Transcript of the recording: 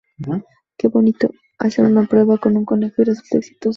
Hacen una prueba con un conejo y resulta exitosa.